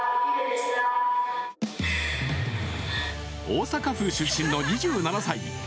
大阪府出身の２７歳。